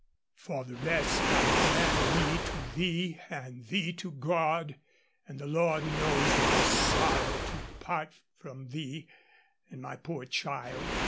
For the rest I commend me to thee, and thee to God, and the Lord knows my sorrow to part from thee and my poor child.